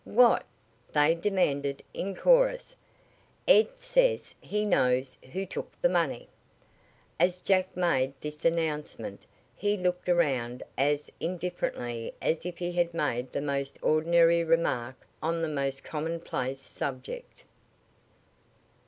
"What?" they demanded in chorus. "Ed says he knows who took the money." As Jack made this announcement he looked around as indifferently as if he had made the most ordinary remark on the most commonplace subject.